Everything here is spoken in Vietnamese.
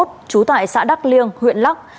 trú tại xã đắk liêng huyện lắc